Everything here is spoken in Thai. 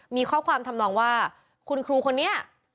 มีข้อความทำนองว่าคุณครูคนนี้